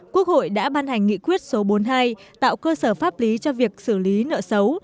quốc hội đã ban hành nghị quyết số bốn mươi hai tạo cơ sở pháp lý cho việc xử lý nợ xấu